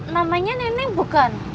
namanya neneng bukan